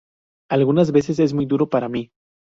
Algunas veces es muy duro para mí.